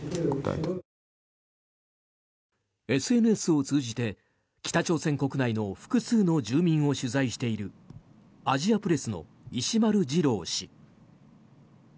ＳＮＳを通じて北朝鮮国内の複数の住民を取材しているアジアプレスの石丸次郎氏。